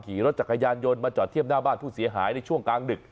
ขี่รถจักรยานยนต์มาจอดเทียบหน้าบ้านผู้เสียหายในช่วงกลางดึก